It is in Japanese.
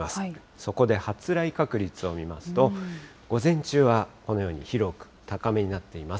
そこで発雷確率を見ますと、午前中はこのように広く高めになっています。